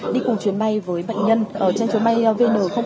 đi cùng chuyến bay với bệnh nhân trên chuyến bay vn năm mươi bốn